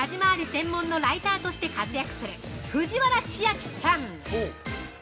専門のライターとして活躍する藤原千秋さん。